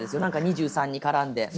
２３に絡んで。